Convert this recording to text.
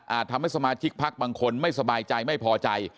ทำให้สมาชิกพักบางคนไม่สบายใจไม่พอใจ